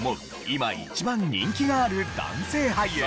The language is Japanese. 今一番人気がある男性俳優。